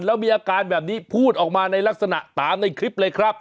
แล้วมีอาการแบบนี้พูดออกมาในลักษณะตามในคลิปเลยครับ